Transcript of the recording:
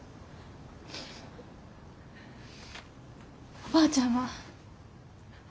おばあちゃんは？